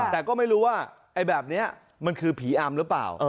แต่ก็ไม่รู้ว่าไอ้แบบนี้มันคือผีอำหรือเปล่า